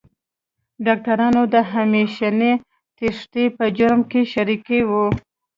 ډاکټرانو د همېشنۍ تېښتې په جرم کې شریکې وې.